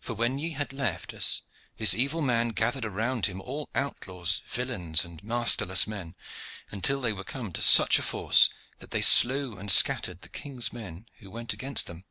For when ye had left us, this evil man gathered around him all outlaws, villeins, and masterless men, until they were come to such a force that they slew and scattered the king's men who went against them.